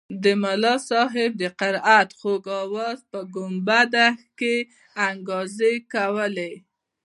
د امام صاحب د قرائت خوږ اواز په ګنبده کښې انګازې کولې.